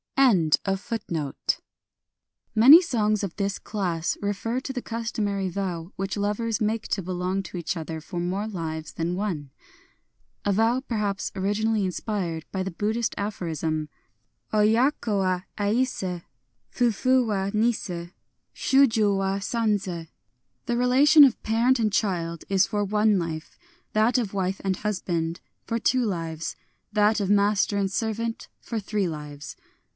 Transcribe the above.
IN JAPANESE FOLK SONG 191 Many songs of this class refer to the cus tomary vow which lovers make to belong to each other for more lives than one, — a vow perhaps originally inspired by the Buddhist aphorism, — Oya ko wa, is si^ Fufu wa, ni sS; Shuju wa, san zL " The relation of parent and child is for one life ; that of wife and husband, for two lives ; that of master and servant, for three lives."